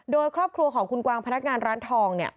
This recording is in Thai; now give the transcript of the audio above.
โดยครอบครัวของคุณกวางพนักงานร้านทองเนี่ย